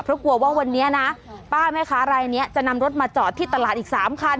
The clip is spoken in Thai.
เพราะกลัวว่าวันนี้นะป้าแม่ค้ารายนี้จะนำรถมาจอดที่ตลาดอีก๓คัน